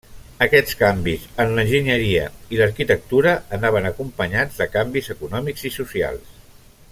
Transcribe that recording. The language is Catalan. Aquests canvis en l'enginyeria i l'arquitectura anaven acompanyats de canvis econòmics i socials.